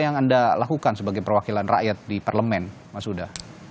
apa yang anda lakukan sebagai perwakilan rakyat di parlemen mas huda